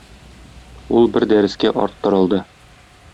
ул бер дәрескә арттырылды.